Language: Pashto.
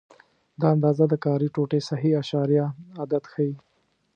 دا اندازه د کاري ټوټې صحیح اعشاریه عدد ښيي.